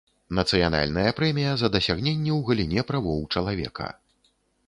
Нацыянальная прэмія за дасягненні ў галіне правоў чалавека.